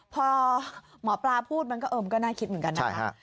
พอหมอปลาพูดมันก็น่าคิดเหมือนกันนะคะ